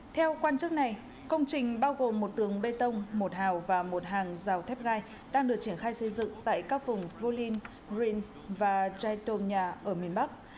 theo quan chức này công trình bao gồm một tường bê tông một hào và một hàng rào thép gai đang được triển khai xây dựng tại các vùng volin rin và chaitanya ở miền bắc